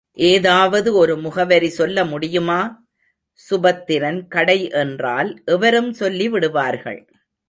ஏதாவது ஒரு முகவரி சொல்ல முடியுமா? சுபத்திரன் கடை என்றால் எவரும் சொல்லி விடுவார்கள்.